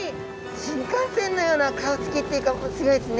新幹線のような顔つきっていうかすギョいですね。